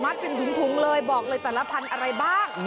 เป็นถุงเลยบอกเลยแต่ละพันธุ์อะไรบ้าง